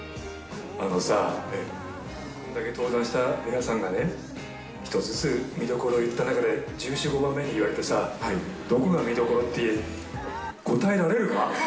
あのさ、こんだけ登壇した皆さんがね、１つずつ見どころ言った中で、１４、５番目に言われてさ、どこが見どころっていう、答えられるか。